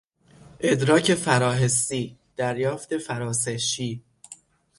ادراک فراحسی، دریافت فراسهشی